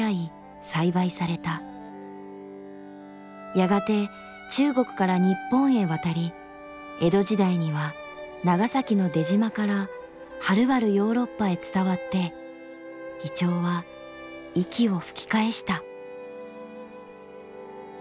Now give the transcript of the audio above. やがて中国から日本へ渡り江戸時代には長崎の出島からはるばるヨーロッパへ伝わって銀杏は息を吹き返した。